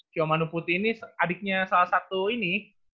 cio manu putih ini adiknya salah satu ini